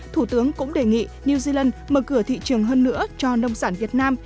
thủ tướng cũng đề nghị new zealand mở cửa thị trường hơn nữa cho nông sản việt nam